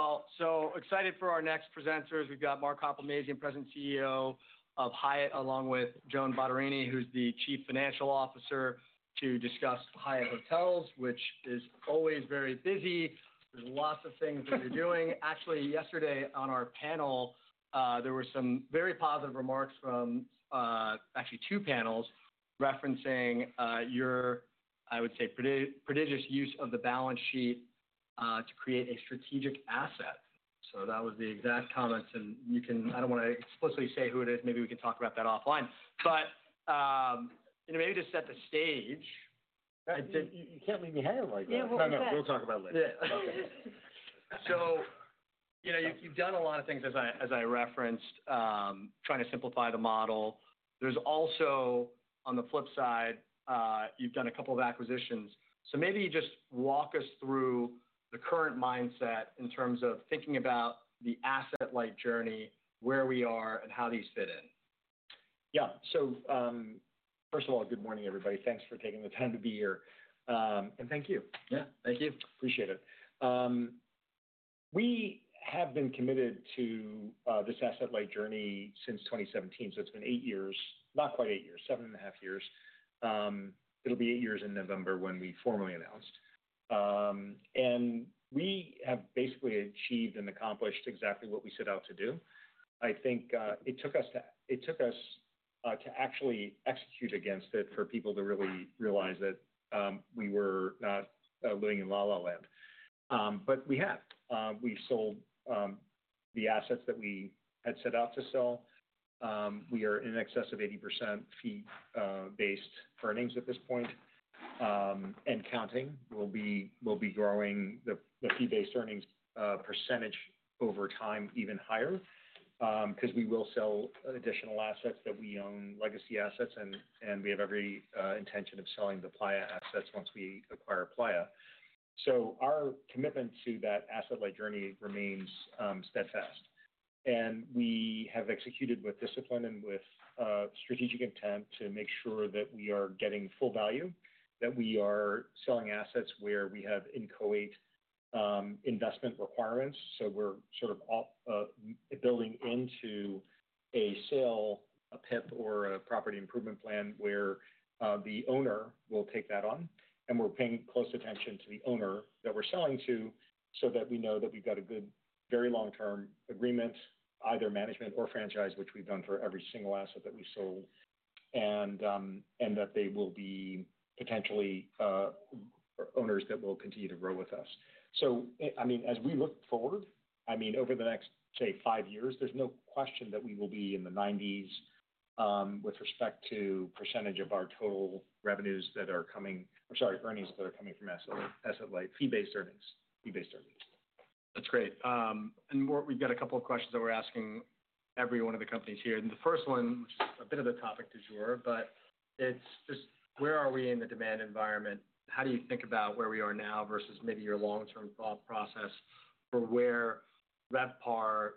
Well. So excited for our next presenters. We have Mark Hoplamazian, President and CEO of Hyatt, along with Joan Bottarini, who's the Chief Financial Officer, to discuss Hyatt Hotels, which is always very busy. There are lots of things that you are doing. Actually, yesterday on our panel, there were some very positive remarks from, actually, two panels referencing your, I would say, prodigious use of the balance sheet to create a strategic asset. That was the exact comment. You can—I do not want to explicitly say who it is. Maybe we can talk about that offline. Maybe to set the stage. You can't leave me hanging like that. Yeah, we'll talk about it later. Yeah. Okay. So you've done a lot of things, as I referenced, trying to simplify the model. There's also, on the flip side, you've done a couple of acquisitions. So maybe you just walk us through the current mindset in terms of thinking about the asset-light journey, where we are, and how these fit in. Yeah. First of all, good morning, everybody. Thanks for taking the time to be here. Thank you. Yeah, thank you. Appreciate it. We have been committed to this asset-light journey since 2017. It has been eight years—not quite eight years, seven and a half years. It will be eight years in November when we formally announced. We have basically achieved and accomplished exactly what we set out to do. I think it took us to actually execute against it for people to really realize that we were not living in la-la land. We have. We have sold the assets that we had set out to sell. We are in excess of 80% fee-based earnings at this point. Counting, we will be growing the fee-based earnings percentage over time even higher because we will sell additional assets that we own, legacy assets. We have every intention of selling the Playa assets once we acquired Playa. Our commitment to that asset-light journey remains steadfast. We have executed with discipline and with strategic intent to make sure that we are getting full value, that we are selling assets where we have inchoate investment requirements. We are sort of building into a sale, a PIP, or a property improvement plan where the owner will take that on. We are paying close attention to the owner that we are selling to so that we know that we have got a good, very long-term agreement, either management or franchise, which we have done for every single asset that we sold, and that they will be potentially owners that will continue to grow with us. I mean, as we look forward, I mean, over the next, say, five years, there's no question that we will be in the 90% with respect to percentage of our total revenues that are coming—I'm sorry, earnings that are coming from asset-light, fee-based earnings, fee-based earnings. That's great. We have a couple of questions that we're asking every one of the companies here. The first one, which is a bit of a topic du jour, is just where are we in the demand environment? How do you think about where we are now versus maybe your long-term thought process for where RevPAR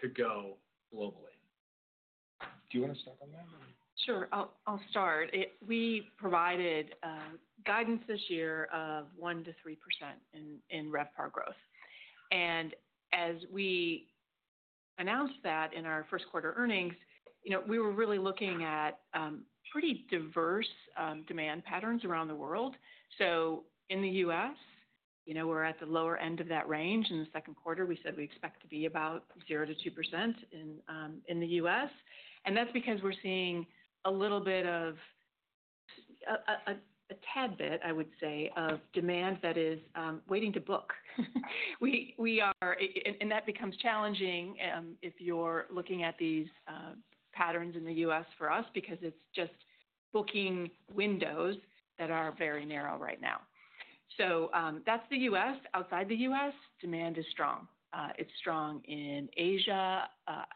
could go globally? Do you want to start on that? Sure. I'll start. We provided guidance this year of 1-3% in RevPAR growth. As we announced that in our first-quarter earnings, we were really looking at pretty diverse demand patterns around the world. In the U.S., we're at the lower end of that range. In the second quarter, we said we expect to be about 0-2% in the U.S. That is because we're seeing a little bit of a tad bit, I would say, of demand that is waiting to book. That becomes challenging if you're looking at these patterns in the U.S. for us because it's just booking windows that are very narrow right now. That is the U.S. Outside the U.S., demand is strong. It's strong in Asia,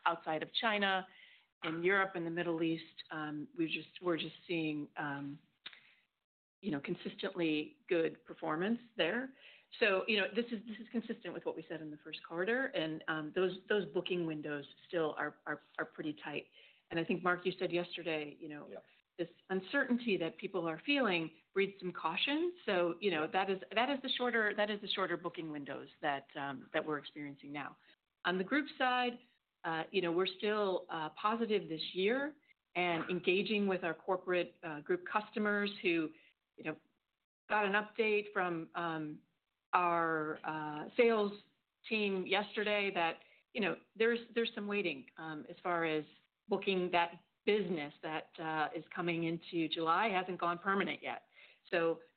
outside of China, in Europe, in the Middle East. We're just seeing consistently good performance there. This is consistent with what we said in the first quarter. Those booking windows still are pretty tight. I think, Mark, you said yesterday this uncertainty that people are feeling breeds some caution. That is the shorter booking windows that we're experiencing now. On the group side, we're still positive this year and engaging with our corporate group customers who got an update from our sales team yesterday that there's some waiting as far as booking that business that is coming into July. It has not gone permanent yet.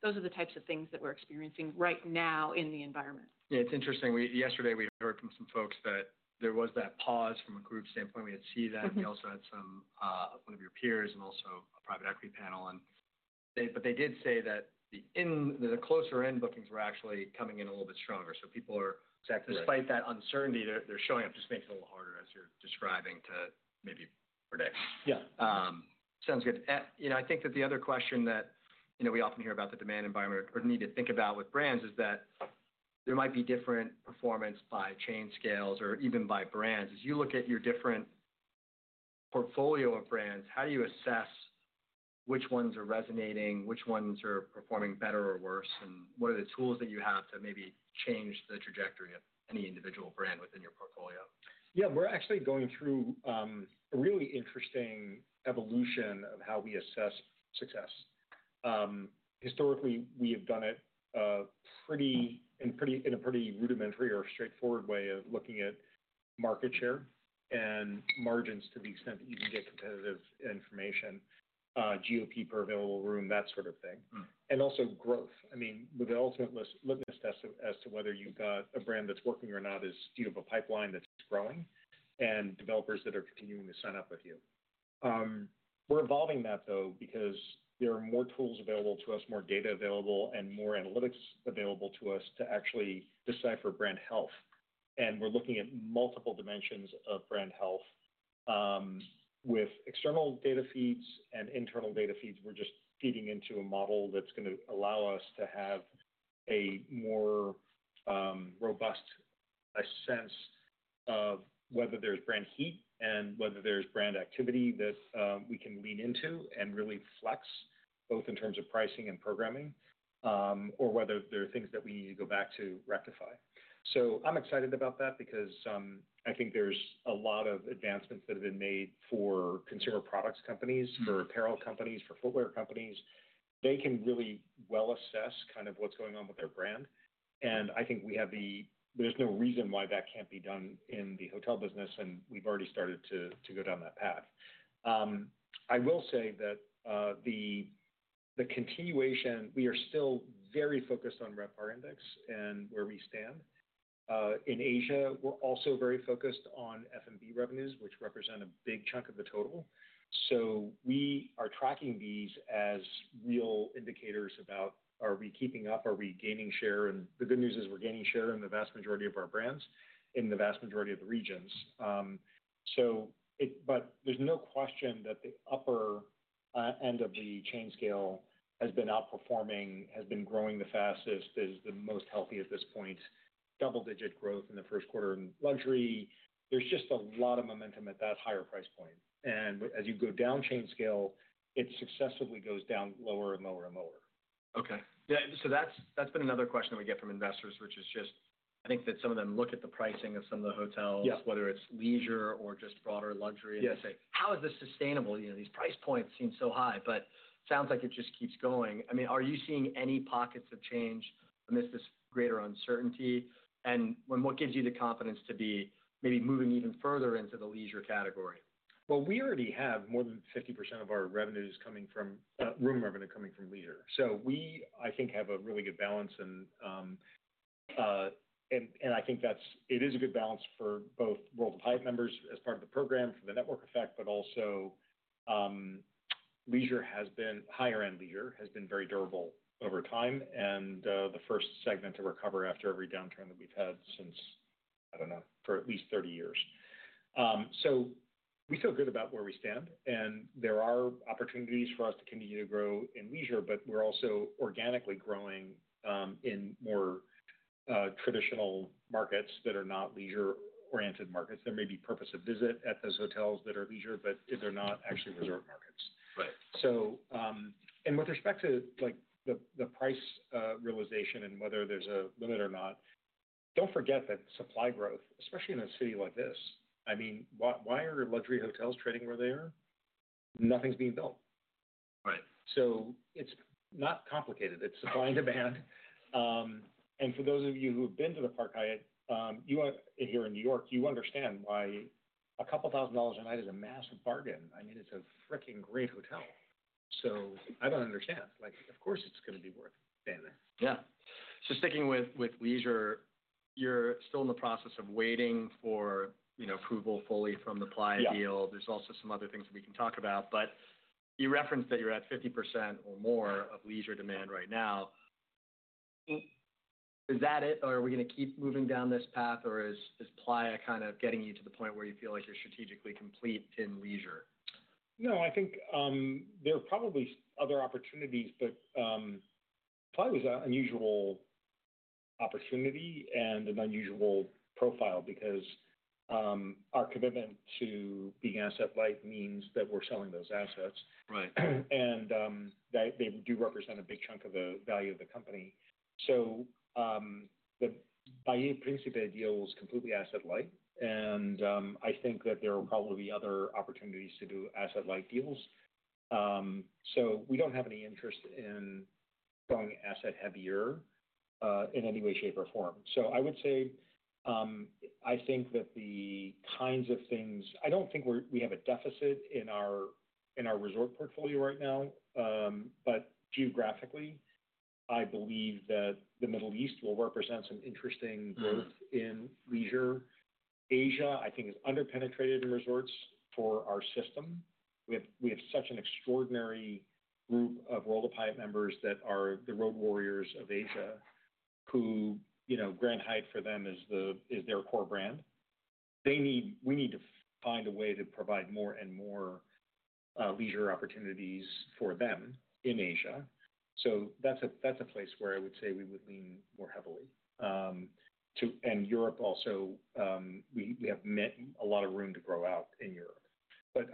Those are the types of things that we're experiencing right now in the environment. Yeah, it's interesting. Yesterday, we heard from some folks that there was that pause from a group standpoint. We had Cvent. We also had one of your peers and also a private equity panel. They did say that the closer-end bookings were actually coming in a little bit stronger. People are, despite that uncertainty, they're showing up. Just makes it a little harder, as you're describing, to maybe predict. Yeah. Sounds good. I think that the other question that we often hear about the demand environment or need to think about with brands is that there might be different performance by chain scales or even by brands. As you look at your different portfolio of brands, how do you assess which ones are resonating, which ones are performing better or worse, and what are the tools that you have to maybe change the trajectory of any individual brand within your portfolio? Yeah, we're actually going through a really interesting evolution of how we assess success. Historically, we have done it in a pretty rudimentary or straightforward way of looking at market share and margins to the extent that you can get competitive information, GOP per available room, that sort of thing. I mean, the ultimate litmus test as to whether you've got a brand that's working or not is do you have a pipeline that's growing and developers that are continuing to sign up with you? We're evolving that, though, because there are more tools available to us, more data available, and more analytics available to us to actually decipher brand health. We're looking at multiple dimensions of brand health with external data feeds and internal data feeds. We're just feeding into a model that's going to allow us to have a more robust sense of whether there's brand heat and whether there's brand activity that we can lean into and really flex both in terms of pricing and programming or whether there are things that we need to go back to rectify. I'm excited about that because I think there's a lot of advancements that have been made for consumer products companies, for apparel companies, for footwear companies. They can really well assess kind of what's going on with their brand. I think there's no reason why that can't be done in the hotel business. We've already started to go down that path. I will say that the continuation, we are still very focused on RevPAR Index and where we stand. In Asia, we're also very focused on F&B revenues, which represent a big chunk of the total. We are tracking these as real indicators about are we keeping up? Are we gaining share? The good news is we're gaining share in the vast majority of our brands in the vast majority of the regions. There is no question that the upper end of the chain scale has been outperforming, has been growing the fastest, is the most healthy at this point. Double-digit growth in the first quarter in luxury. There is just a lot of momentum at that higher price point. As you go down chain scale, it successively goes down lower and lower and lower. Okay. That's been another question that we get from investors, which is just I think that some of them look at the pricing of some of the hotels, whether it's leisure or just broader luxury. They say, "How is this sustainable? These price points seem so high, but it sounds like it just keeps going." I mean, are you seeing any pockets of change amidst this greater uncertainty? What gives you the confidence to be maybe moving even further into the leisure category? We already have more than 50% of our revenues coming from room revenue coming from leisure. I think we have a really good balance. I think it is a good balance for both World of Hyatt members as part of the program for the network effect, but also leisure has been higher-end leisure has been very durable over time and the first segment to recover after every downturn that we have had since, I do not know, for at least 30 years. We feel good about where we stand. There are opportunities for us to continue to grow in leisure, but we are also organically growing in more traditional markets that are not leisure-oriented markets. There may be purpose of visit at those hotels that are leisure, but they are not actually resort markets. With respect to the price realization and whether there's a limit or not, don't forget that supply growth, especially in a city like this, I mean, why are luxury hotels trading where they are? Nothing's being built. It's not complicated. It's supply and demand. For those of you who have been to the Park Hyatt here in New York, you understand why a couple thousand dollars a night is a massive bargain. I mean, it's a freaking great hotel. I don't understand. Of course, it's going to be worth staying there. Yeah. Sticking with leisure, you're still in the process of waiting for approval fully from the Playa deal. There's also some other things that we can talk about. You referenced that you're at 50% or more of leisure demand right now. Is that it? Are we going to keep moving down this path? Is Playa kind of getting you to the point where you feel like you're strategically complete in leisure? No, I think there are probably other opportunities, but Playa was an unusual opportunity and an unusual profile because our commitment to being asset-light means that we're selling those assets. They do represent a big chunk of the value of the company. The Bahia Principe deal was completely asset-light. I think that there will probably be other opportunities to do asset-light deals. We do not have any interest in going asset-heavier in any way, shape, or form. I would say I think that the kinds of things, I do not think we have a deficit in our resort portfolio right now. Geographically, I believe that the Middle East will represent some interesting growth in leisure. Asia, I think, is underpenetrated in resorts for our system. We have such an extraordinary group of World of Hyatt members that are the road warriors of Asia, who Grand Hyatt for them is their core brand. We need to find a way to provide more and more leisure opportunities for them in Asia. That is a place where I would say we would lean more heavily. Europe also, we have a lot of room to grow out in Europe.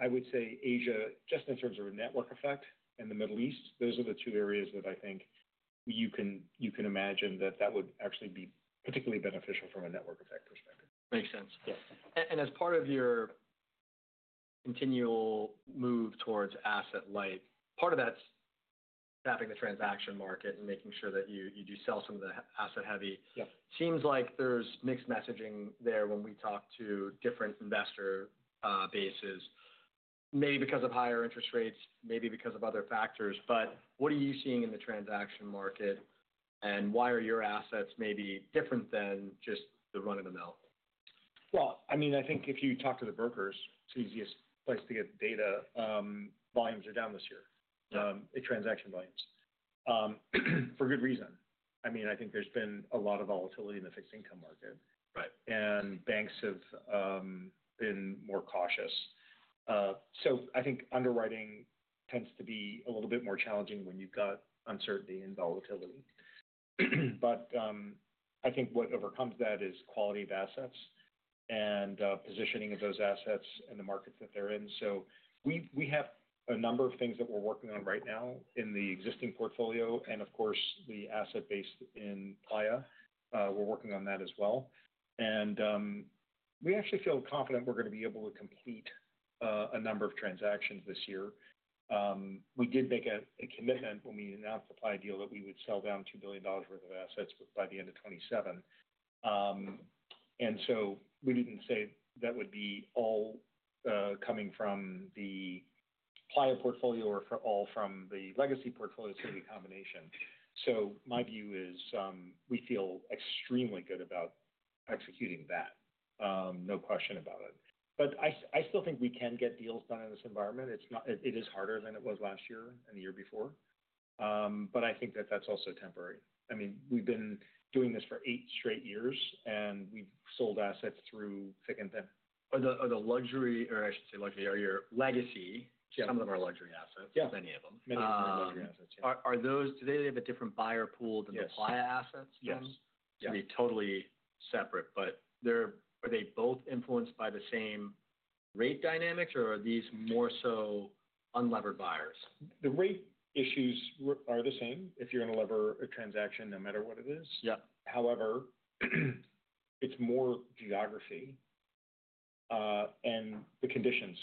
I would say Asia, just in terms of a network effect and the Middle East, those are the two areas that I think you can imagine that that would actually be particularly beneficial from a network effect perspective. Makes sense. As part of your continual move towards asset-light, part of that is tapping the transaction market and making sure that you do sell some of the asset-heavy. Seems like there is mixed messaging there when we talk to different investor bases, maybe because of higher interest rates, maybe because of other factors. What are you seeing in the transaction market? Why are your assets maybe different than just the run-of-the-mill? I mean, I think if you talk to the brokers, it's the easiest place to get data. Volumes are down this year, transaction volumes, for good reason. I mean, I think there's been a lot of volatility in the fixed income market. Banks have been more cautious. I think underwriting tends to be a little bit more challenging when you've got uncertainty and volatility. I think what overcomes that is quality of assets and positioning of those assets and the markets that they're in. We have a number of things that we're working on right now in the existing portfolio. Of course, the asset-based in Playa, we're working on that as well. We actually feel confident we're going to be able to complete a number of transactions this year. We did make a commitment when we announced the Playa deal that we would sell down $2 billion worth of assets by the end of 2027. We did not say that would be all coming from the Playa portfolio or all from the legacy portfolio, so it would be a combination. My view is we feel extremely good about executing that, no question about it. I still think we can get deals done in this environment. It is harder than it was last year and the year before. I think that is also temporary. I mean, we have been doing this for eight straight years, and we have sold assets through thick and thin. Are the luxury—or I should say luxury—are your legacy, some of them are luxury assets, many of them. Many of them are luxury assets, yeah. Are those—do they have a different buyer pool than the Playa assets? Yes. They're totally separate. Are they both influenced by the same rate dynamics, or are these more so unlevered buyers? The rate issues are the same if you're going to lever a transaction, no matter what it is. However, it's more geography and the conditions.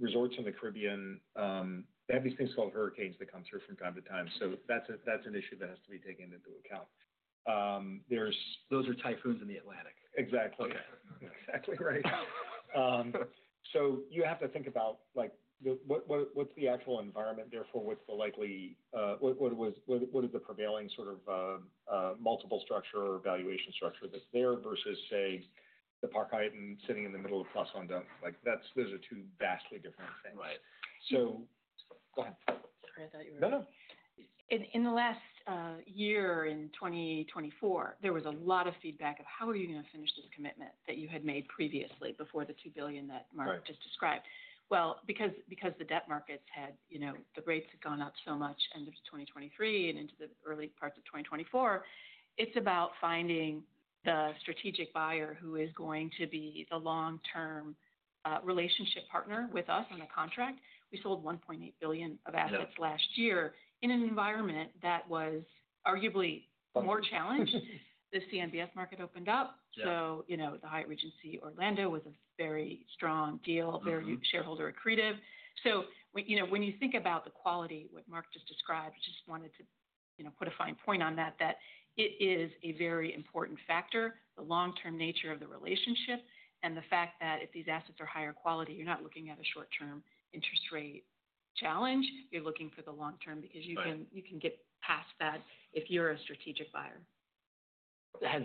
Resorts in the Caribbean, they have these things called hurricanes that come through from time to time. That is an issue that has to be taken into account. There's. Those are typhoons in the Atlantic. Exactly. Exactly right. You have to think about what's the actual environment there for what's the likely—what is the prevailing sort of multiple structure or valuation structure that's there versus, say, the Park Hyatt and sitting in the middle of Place Vendôme? Those are two vastly different things. Right. Go ahead. Sorry, I thought you were— No, no. In the last year in 2024, there was a lot of feedback of, "How are you going to finish this commitment that you had made previously before the $2 billion that Mark just described?" Because the debt markets had—the rates had gone up so much end of 2023 and into the early parts of 2024, it's about finding the strategic buyer who is going to be the long-term relationship partner with us on a contract. We sold $1.8 billion of assets last year in an environment that was arguably more challenged. The CMBS market opened up. The Hyatt Regency Orlando was a very strong deal, very shareholder accretive. When you think about the quality, what Mark just described, I just wanted to put a fine point on that, that it is a very important factor, the long-term nature of the relationship, and the fact that if these assets are higher quality, you're not looking at a short-term interest rate challenge. You're looking for the long-term because you can get past that if you're a strategic buyer. Has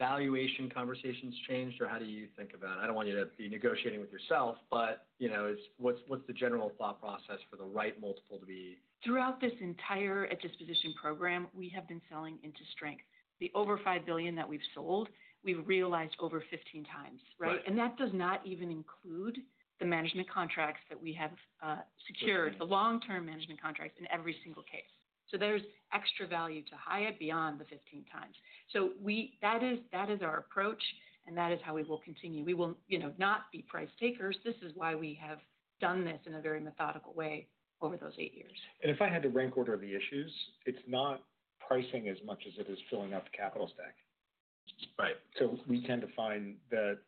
valuation conversations changed, or how do you think about it? I don't want you to be negotiating with yourself, but what's the general thought process for the right multiple to be? Throughout this entire disposition program, we have been selling into strength. The over $5 billion that we've sold, we've realized over 15 times, right? And that does not even include the management contracts that we have secured, the long-term management contracts in every single case. So there's extra value to Hyatt beyond the 15 times. That is our approach, and that is how we will continue. We will not be price takers. This is why we have done this in a very methodical way over those eight years. If I had to rank order the issues, it's not pricing as much as it is filling up the capital stack. We tend to find that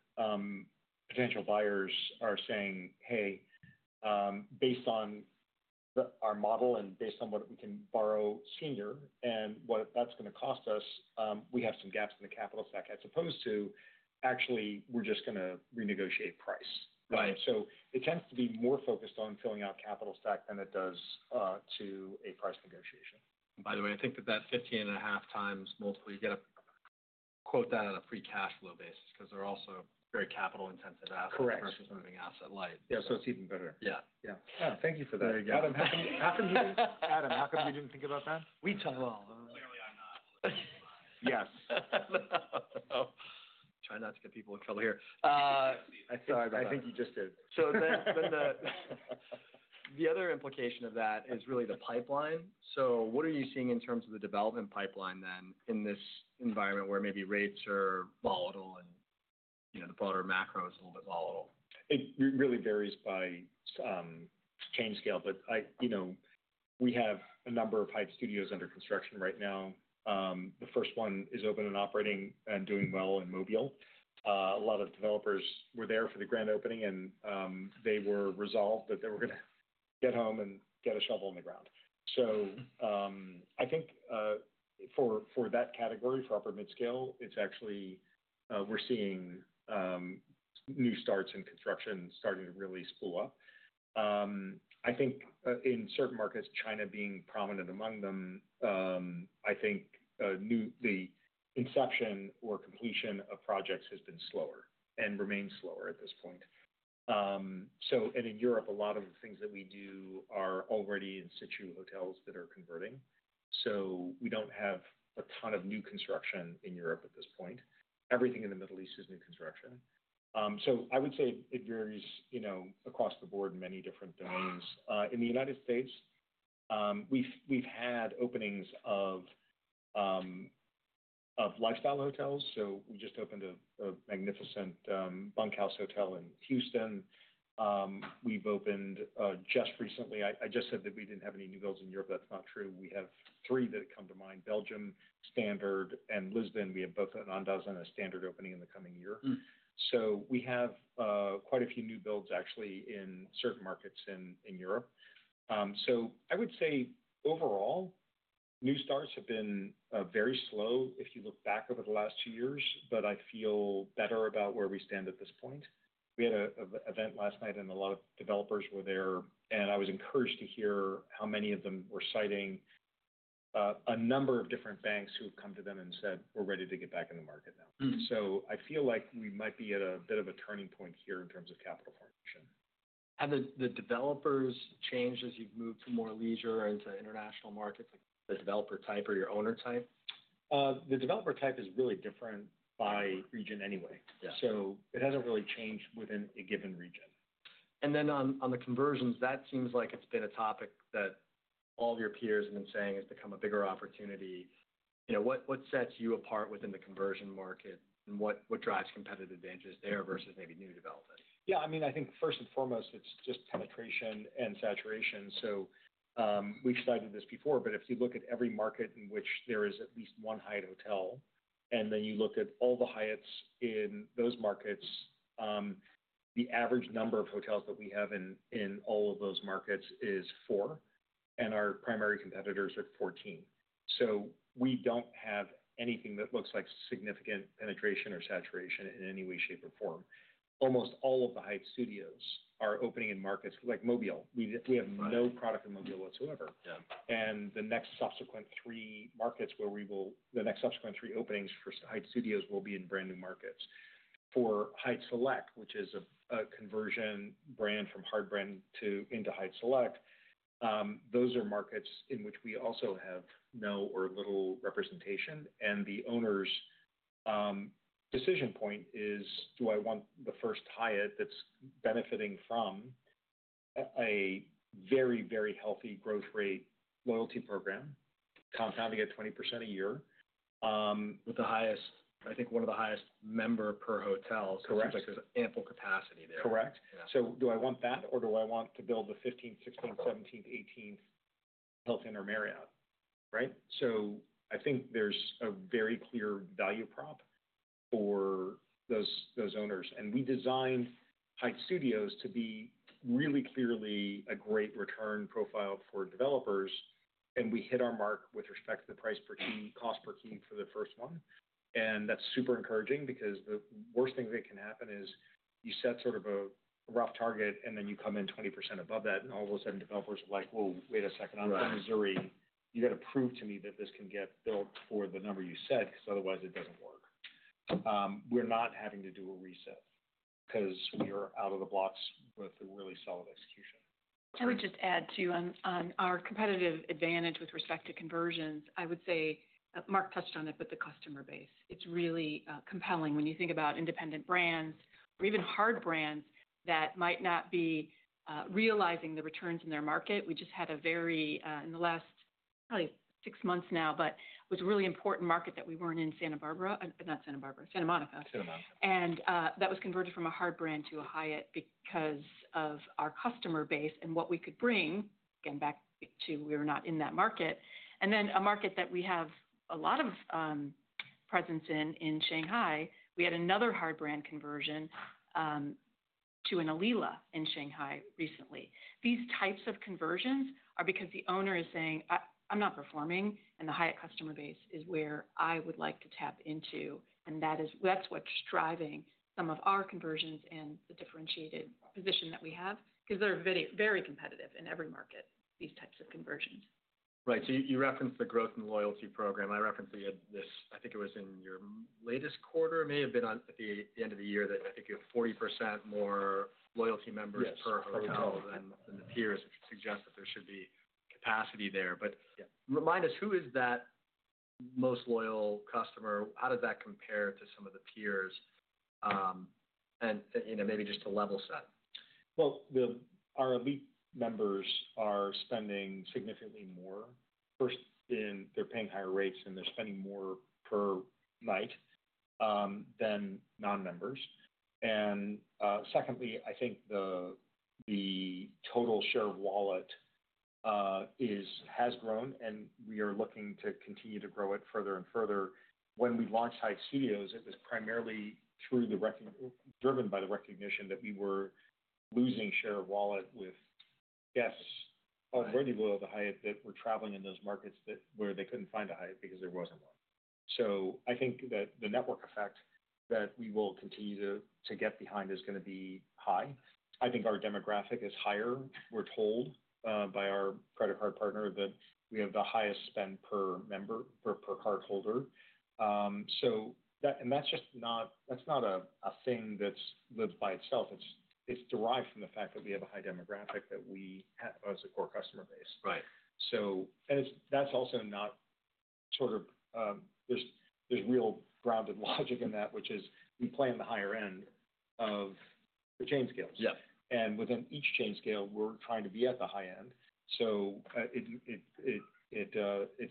potential buyers are saying, "Hey, based on our model and based on what we can borrow senior and what that's going to cost us, we have some gaps in the capital stack," as opposed to, "Actually, we're just going to renegotiate price." It tends to be more focused on filling out capital stack than it does to a price negotiation. By the way, I think that that 15 and a half times multiple, you got to quote that on a free cash flow basis because they're also very capital-intensive assets versus moving asset light. Yeah. So it's even better. Yeah. Yeah. Thank you for that. There you go. Adam, how come you didn't think about that? We tell them all. Clearly, I'm not. Yes. Try not to get people in trouble here. I think you just did. Then the other implication of that is really the pipeline. What are you seeing in terms of the development pipeline then in this environment where maybe rates are volatile and the broader macro is a little bit volatile? It really varies by chain scale. We have a number of Hyatt Studios under construction right now. The first one is open and operating and doing well in Mobile. A lot of developers were there for the grand opening, and they were resolved that they were going to get home and get a shovel in the ground. I think for that category, for Upper Midscale, it's actually we're seeing new starts in construction starting to really spool up. I think in certain markets, China being prominent among them, the inception or completion of projects has been slower and remains slower at this point. In Europe, a lot of the things that we do are already in-situ hotels that are converting. We do not have a ton of new construction in Europe at this point. Everything in the Middle East is new construction. I would say it varies across the board in many different domains. In the United States, we've had openings of lifestyle hotels. We just opened a magnificent Bunkhouse Hotel in Houston. We've opened just recently. I just said that we didn't have any new builds in Europe. That's not true. We have three that come to mind: Belgium, Standard, and Lisbon. We have both an Andaz and a Standard opening in the coming year. We have quite a few new builds actually in certain markets in Europe. I would say overall, new starts have been very slow if you look back over the last two years, but I feel better about where we stand at this point. We had an event last night, and a lot of developers were there. I was encouraged to hear how many of them were citing a number of different banks who have come to them and said, "We're ready to get back in the market now." I feel like we might be at a bit of a turning point here in terms of capital formation. Have the developers changed as you've moved to more leisure into international markets? The developer type or your owner type? The developer type is really different by region anyway. So it hasn't really changed within a given region. On the conversions, that seems like it's been a topic that all of your peers have been saying has become a bigger opportunity. What sets you apart within the conversion market, and what drives competitive advantages there versus maybe new developers? Yeah. I mean, I think first and foremost, it's just penetration and saturation. We've cited this before, but if you look at every market in which there is at least one Hyatt Hotel, and then you look at all the Hyatts in those markets, the average number of hotels that we have in all of those markets is 4, and our primary competitors are 14. We do not have anything that looks like significant penetration or saturation in any way, shape, or form. Almost all of the Hyatt Studios are opening in markets like Mobile. We have no product in Mobile whatsoever. The next subsequent three markets where we will—the next subsequent three openings for Hyatt Studios will be in brand new markets. For Hyatt Select, which is a conversion brand from hard brand into Hyatt Select, those are markets in which we also have no or little representation. The owner's decision point is, "Do I want the first Hyatt that's benefiting from a very, very healthy growth rate loyalty program, compounding at 20% a year with the highest—I think one of the highest member per hotel? Correct. Seems like there's ample capacity there. Correct. Do I want that, or do I want to build the 15th, 16th, 17th, 18th Hilton or Marriott, right? I think there's a very clear value prop for those owners. We designed Hyatt Studios to be really clearly a great return profile for developers. We hit our mark with respect to the price per key, cost per key for the first one. That's super encouraging because the worst thing that can happen is you set sort of a rough target, and then you come in 20% above that, and all of a sudden, developers are like, "Whoa, wait a second. I'm from Missouri. You got to prove to me that this can get built for the number you set because otherwise it doesn't work." We're not having to do a reset because we are out of the blocks with a really solid execution. I would just add too on our competitive advantage with respect to conversions. I would say Mark touched on it, but the customer base. It's really compelling when you think about independent brands or even hard brands that might not be realizing the returns in their market. We just had a very—in the last probably six months now—but it was a really important market that we weren't in Santa Barbara—not Santa Barbara, Santa Monica. Santa Monica. That was converted from a hard brand to a Hyatt because of our customer base and what we could bring. Again, back to we were not in that market. In a market that we have a lot of presence in, in Shanghai, we had another hard brand conversion to an Alila in Shanghai recently. These types of conversions are because the owner is saying, "I'm not performing, and the Hyatt customer base is where I would like to tap into." That is what's driving some of our conversions and the differentiated position that we have because they are very competitive in every market, these types of conversions. Right. You referenced the growth and loyalty program. I referenced that you had this—I think it was in your latest quarter, may have been at the end of the year—that I think you have 40% more loyalty members per hotel than the peers, which suggests that there should be capacity there. Remind us, who is that most loyal customer? How does that compare to some of the peers? Maybe just to level set. Our elite members are spending significantly more. First, they're paying higher rates, and they're spending more per night than non-members. Secondly, I think the total share of wallet has grown, and we are looking to continue to grow it further and further. When we launched Hyatt Studios, it was primarily driven by the recognition that we were losing share of wallet with guests already loyal to Hyatt that were traveling in those markets where they couldn't find a Hyatt because there wasn't one. I think that the network effect that we will continue to get behind is going to be high. I think our demographic is higher. We're told by our credit card partner that we have the highest spend per member per cardholder. That's just not—that's not a thing that's lived by itself. It's derived from the fact that we have a high demographic that we have as a core customer base. That is also not sort of—there's real grounded logic in that, which is we play on the higher end of the chain scales. Within each chain scale, we're trying to be at the high end. It is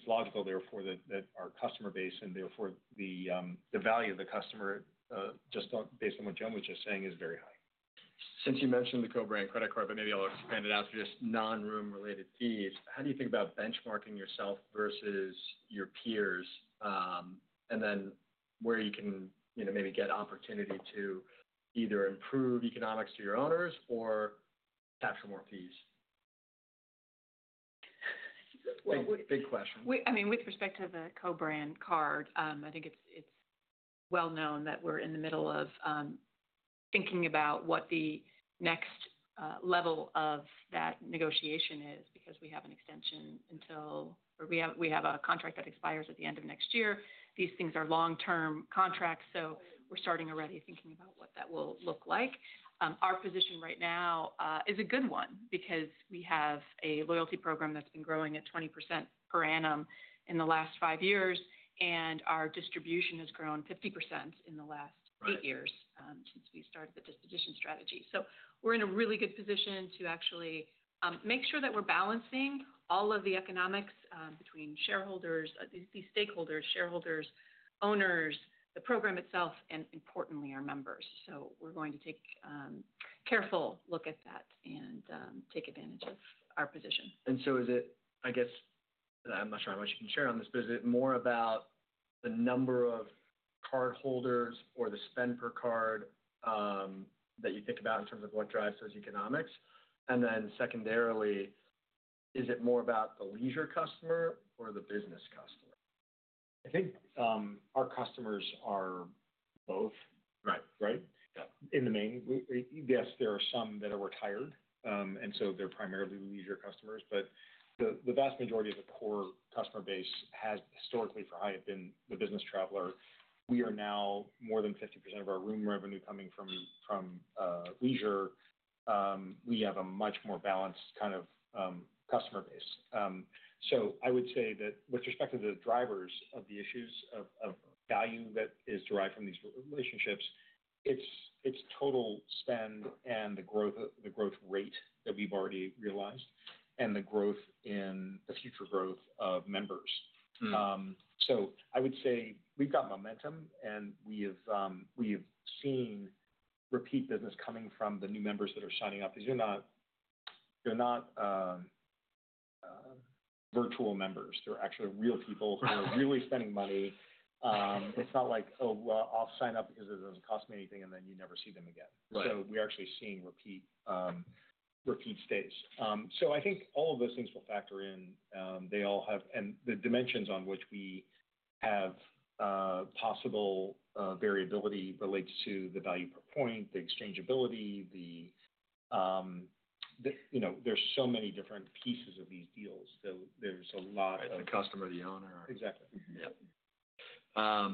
logical therefore that our customer base and therefore the value of the customer, just based on what Joan was just saying, is very high. Since you mentioned the co-brand credit card, but maybe I'll expand it out to just non-room-related fees. How do you think about benchmarking yourself versus your peers and then where you can maybe get opportunity to either improve economics to your owners or capture more fees? Big question. I mean, with respect to the co-brand card, I think it's well known that we're in the middle of thinking about what the next level of that negotiation is because we have an extension until—or we have a contract that expires at the end of next year. These things are long-term contracts, so we're starting already thinking about what that will look like. Our position right now is a good one because we have a loyalty program that's been growing at 20% per annum in the last five years, and our distribution has grown 50% in the last eight years since we started the disposition strategy. We're in a really good position to actually make sure that we're balancing all of the economics between shareholders, these stakeholders, shareholders, owners, the program itself, and importantly, our members. We're going to take a careful look at that and take advantage of our position. Is it, I guess, and I'm not sure how much you can share on this, but is it more about the number of cardholders or the spend per card that you think about in terms of what drives those economics? Secondarily, is it more about the leisure customer or the business customer? I think our customers are both. Right. Right. In the main. Yes, there are some that are retired, and so they're primarily leisure customers. The vast majority of the core customer base has historically for Hyatt been the business traveler. We are now more than 50% of our room revenue coming from leisure. We have a much more balanced kind of customer base. I would say that with respect to the drivers of the issues of value that is derived from these relationships, it's total spend and the growth rate that we've already realized and the future growth of members. I would say we've got momentum, and we have seen repeat business coming from the new members that are signing up because they're not virtual members. They're actually real people who are really spending money. It's not like, "Oh, I'll sign up because it doesn't cost me anything," and then you never see them again. We're actually seeing repeat stays. I think all of those things will factor in. They all have—and the dimensions on which we have possible variability relates to the value per point, the exchangeability. There are so many different pieces of these deals. There is a lot of. The customer, the owner. Exactly. Yeah.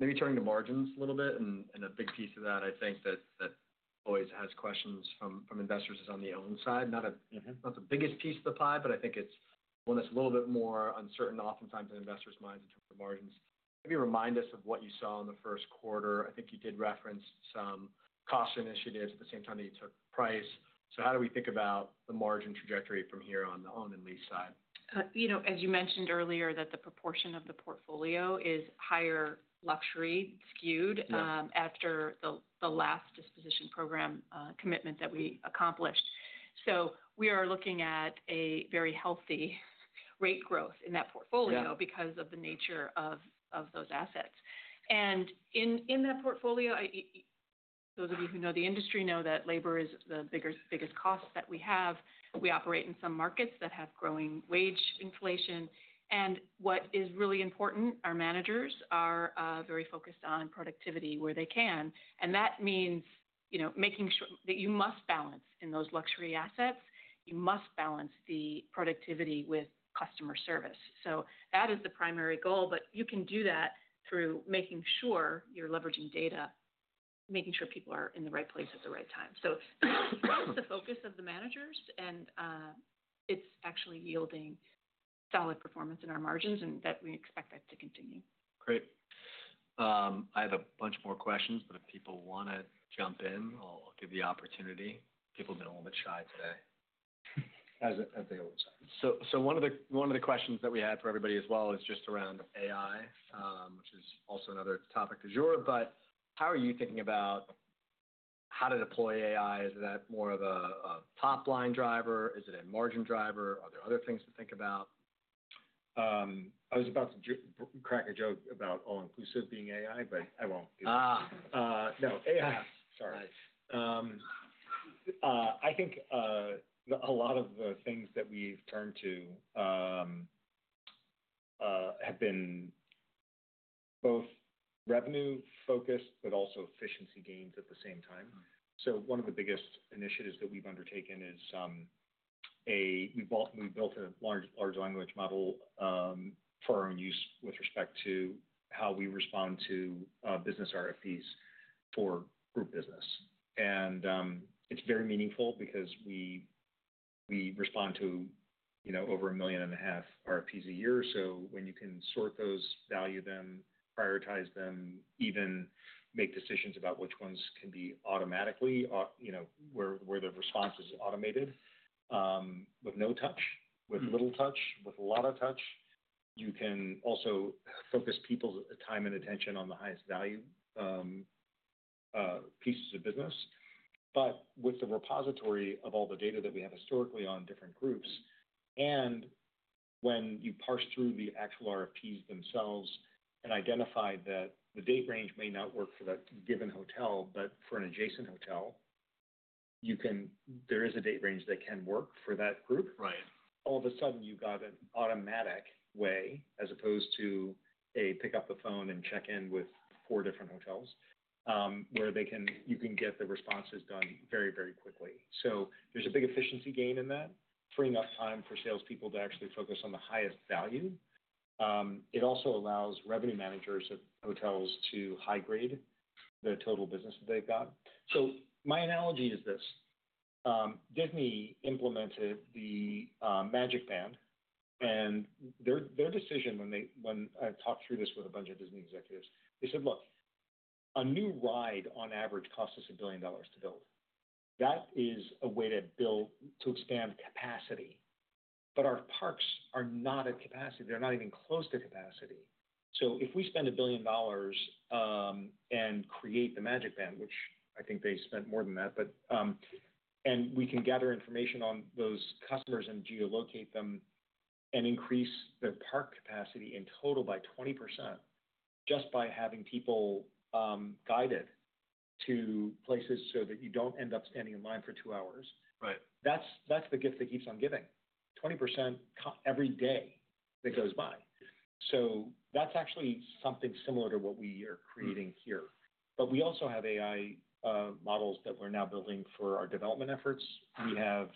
Maybe turning to margins a little bit. A big piece of that, I think, that always has questions from investors is on the own side. Not the biggest piece of the pie, but I think it's one that's a little bit more uncertain oftentimes in investors' minds in terms of margins. Maybe remind us of what you saw in the first quarter. I think you did reference some cost initiatives at the same time that you took price. How do we think about the margin trajectory from here on the own and lease side? As you mentioned earlier, the proportion of the portfolio is higher luxury skewed after the last disposition program commitment that we accomplished. We are looking at a very healthy rate growth in that portfolio because of the nature of those assets. In that portfolio, those of you who know the industry know that labor is the biggest cost that we have. We operate in some markets that have growing wage inflation. What is really important, our managers are very focused on productivity where they can. That means making sure that you must balance in those luxury assets. You must balance the productivity with customer service. That is the primary goal, but you can do that through making sure you're leveraging data, making sure people are in the right place at the right time. That's the focus of the managers, and it's actually yielding solid performance in our margins and that we expect that to continue. Great. I have a bunch more questions, but if people want to jump in, I'll give the opportunity. People have been a little bit shy today. As they always are. One of the questions that we had for everybody as well is just around AI, which is also another topic of yours. How are you thinking about how to deploy AI? Is that more of a top-line driver? Is it a margin driver? Are there other things to think about? I was about to crack a joke about all-inclusive being AI, but I won't. No. AI, sorry. I think a lot of the things that we've turned to have been both revenue-focused but also efficiency gains at the same time. One of the biggest initiatives that we've undertaken is we built a large language model for our own use with respect to how we respond to business RFPs for group business. It is very meaningful because we respond to over 1.5 million RFPs a year. When you can sort those, value them, prioritize them, even make decisions about which ones can be automatically where the response is automated with no touch, with little touch, with a lot of touch, you can also focus people's time and attention on the highest value pieces of business. With the repository of all the data that we have historically on different groups, and when you parse through the actual RFPs themselves and identify that the date range may not work for that given hotel, but for an adjacent hotel, there is a date range that can work for that group, all of a sudden you've got an automatic way as opposed to a pick up the phone and check in with four different hotels where you can get the responses done very, very quickly. There is a big efficiency gain in that, freeing up time for salespeople to actually focus on the highest value. It also allows revenue managers at hotels to high-grade the total business that they've got. My analogy is this: Disney implemented the MagicBand. Their decision, when I talked through this with a bunch of Disney executives, they said, "Look, a new ride on average costs us $1 billion to build. That is a way to expand capacity. Our parks are not at capacity. They're not even close to capacity. If we spend $1 billion and create the MagicBand, which I think they spent more than that, and we can gather information on those customers and geolocate them and increase the park capacity in total by 20% just by having people guided to places so that you do not end up standing in line for two hours, that's the gift that keeps on giving: 20% every day that goes by." That is actually something similar to what we are creating here. We also have AI models that we're now building for our development efforts. We have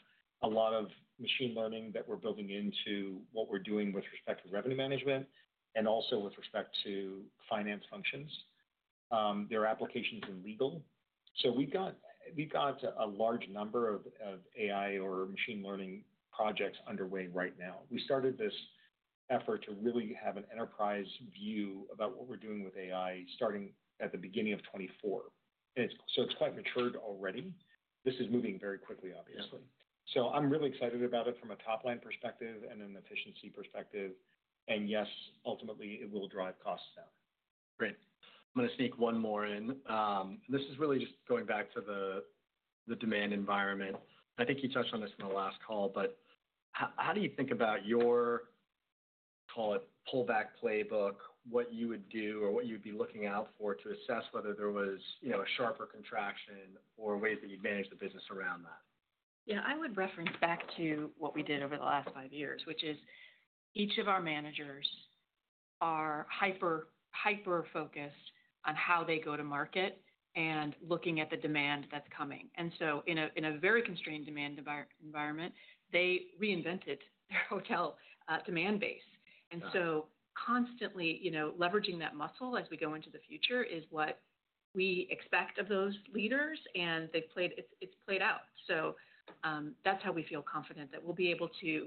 a lot of machine learning that we're building into what we're doing with respect to revenue management and also with respect to finance functions. There are applications in legal. We have a large number of AI or machine learning projects underway right now. We started this effort to really have an enterprise view about what we're doing with AI starting at the beginning of 2024. It is quite matured already. This is moving very quickly, obviously. I am really excited about it from a top-line perspective and an efficiency perspective. Yes, ultimately, it will drive costs down. Great. I'm going to sneak one more in. This is really just going back to the demand environment. I think you touched on this in the last call, but how do you think about your, call it, pullback playbook, what you would do or what you would be looking out for to assess whether there was a sharper contraction or ways that you'd manage the business around that? Yeah. I would reference back to what we did over the last five years, which is each of our managers are hyper-focused on how they go to market and looking at the demand that's coming. In a very constrained demand environment, they reinvented their hotel demand base. Constantly leveraging that muscle as we go into the future is what we expect of those leaders, and it's played out. That is how we feel confident that we'll be able to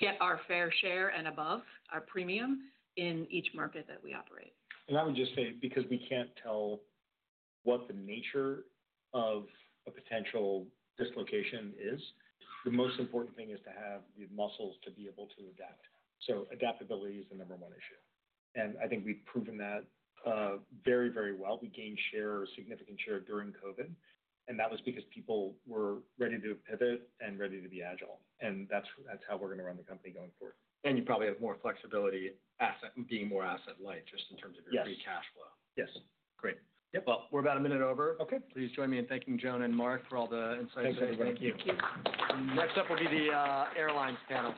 get our fair share and above our premium in each market that we operate. I would just say, because we can't tell what the nature of a potential dislocation is, the most important thing is to have the muscles to be able to adapt. Adaptability is the number one issue. I think we've proven that very, very well. We gained significant share during COVID, and that was because people were ready to pivot and ready to be agile. That is how we're going to run the company going forward. You probably have more flexibility being more asset-light just in terms of your free cash flow. Yes. Great. We're about a minute over. Please join me in thanking Joan and Mark for all the insights that you've given. Thank you. Next up will be the airlines panel.